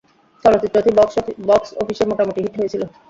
চলচ্চিত্রটি বক্স অফিসে মোটামুটি হিট হয়েছিলো।